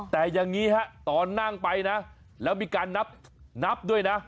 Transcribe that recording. แต่อย่างนี้ฮะตอนนั่งไปนะแล้วมีการนับด้วยนะ